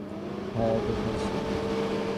হ্যাঁ, দেখেছি।